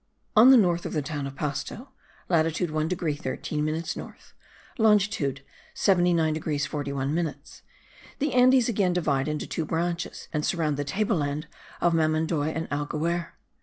On the north of the town of Pasto (latitude 1 degree 13 minutes north; longitude 79 degrees 41 minutes) the Andes again divide into two branches and surround the table land of Mamendoy and Almaguer.